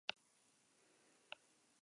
Bilduma bitxia, ezta?